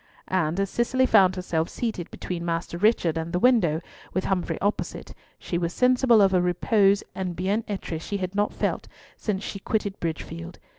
And as Cicely found herself seated between Master Richard and the window, with Humfrey opposite, she was sensible of a repose and bien etre she had not felt since she quitted Bridgefield.